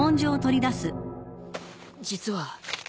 実は。